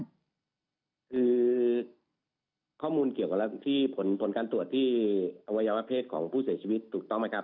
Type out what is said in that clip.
คือข้อมูลเกี่ยวกับที่ผลการตรวจที่อวัยวะเพศของผู้เสียชีวิตถูกต้องไหมครับ